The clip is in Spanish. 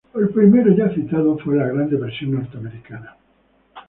El primero, ya citado, fue la Gran Depresión norteamericana.